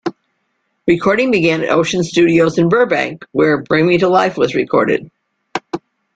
Recording began at Ocean Studios in Burbank, where "Bring Me to Life" was recorded.